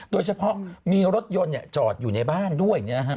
โดยเฉพาะมีรถยนต์จอดอยู่ในบ้านด้วย